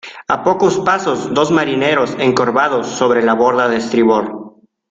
a pocos pasos dos marineros encorvados sobre la borda de estribor